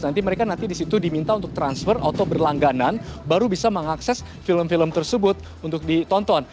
nanti mereka nanti disitu diminta untuk transfer atau berlangganan baru bisa mengakses film film tersebut untuk ditonton